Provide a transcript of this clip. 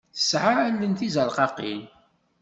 Tesɛa allen d tizerqaqin.